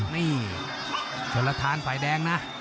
นี่โชลธานฝ่ายแดงนะ